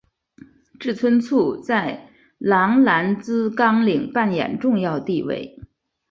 志村簇在郎兰兹纲领扮演重要地位。